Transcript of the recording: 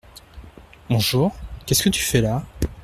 Bonjour… qu’est-ce que tu fais là ?